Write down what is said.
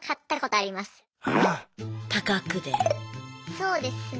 そうですね。